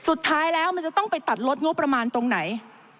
สุดท้ายแล้วมันจะต้องไปตัดลดงบประมาณตรงไหน